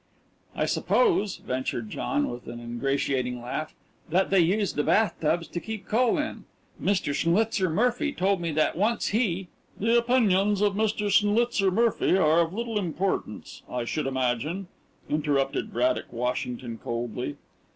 "I suppose," ventured John, with an ingratiating laugh, "that they used the bathtubs to keep coal in. Mr. Schnlitzer Murphy told me that once he " "The opinions of Mr. Schnlitzer Murphy are of little importance, I should imagine," interrupted Braddock Washington coldly.